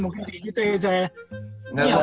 mungkin kayak gitu ya sa